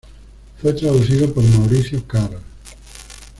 Fue traducido por Mauricio Karl.